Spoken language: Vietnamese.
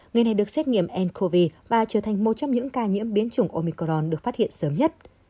người này được xét nghiệm ncov và trở thành một trong những ca nhiễm biến chủng omicron được phát hiện sớm nhất